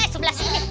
eh sebelah sini